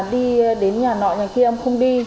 đi đến nhà nội nhà kia em không đi